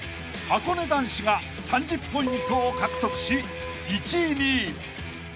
はこね男子が３０ポイントを獲得し１位に］